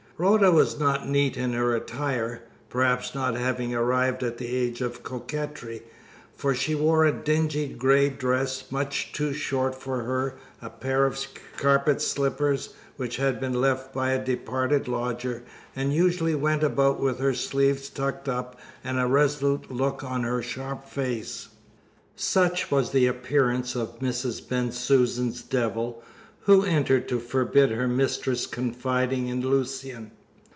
Rhoda was not neat in her attire, perhaps not having arrived at the age of coquetry, for she wore a dingy grey dress much too short for her, a pair of carpet slippers which had been left by a departed lodger, and usually went about with her sleeves tucked up, and a resolute look on her sharp face. Such was the appearance of Mrs. Bensusan's devil, who entered to forbid her mistress confiding in Lucian.